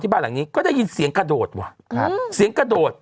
บ้านหลังนี้ก็ได้ยินเสียงกระโดดว่ะครับเสียงกระโดด